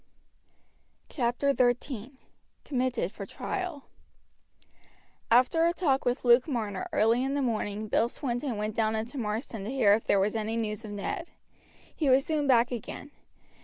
CHAPTER XIII: COMMITTED FOR TRIAL After a talk with Luke Marner early in the morning Bill Swinton went down into Marsden to hear if there was any news of Ned. He was soon back again.